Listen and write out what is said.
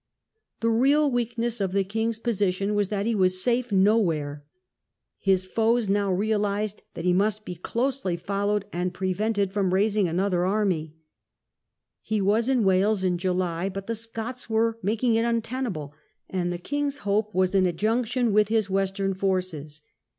The real weakness of the king's position was that he was safe nowhere. His foes now realized that he must be Parliamentary ^^oscly foUowed and prevented from raising victories in the another army. He was in Wales in July, West. 1645. i^y^ ^j^g Scots were making it untenable, and the king's hope was in a junction with his western forces.